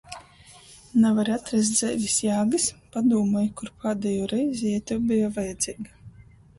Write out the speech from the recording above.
Navari atrast dzeivis jāgys, padūmoj - kur pādejū reizi jei tev beja vajadzeiga??